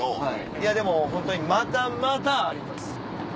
いやでもホントにまだまだあります。